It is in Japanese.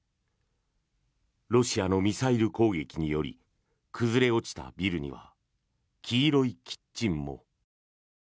ロシアのミサイル攻撃により崩れ落ちたビルには黄色いキッチンも。